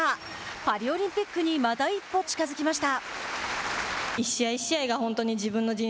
パリオリンピックにまた一歩近づきました。